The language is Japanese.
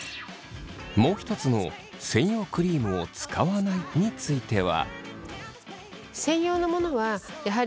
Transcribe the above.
もう一つの「専用クリームを使わない」については？